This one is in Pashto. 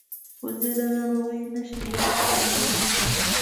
وزې د ناروغۍ نښې ژر څرګندوي